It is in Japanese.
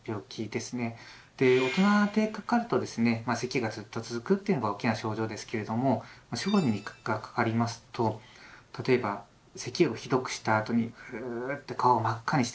大人でかかるとですねせきがずっと続くというのが大きな症状ですけれども小児がかかりますと例えばせきをひどくしたあとにううっと顔を真っ赤にしてですね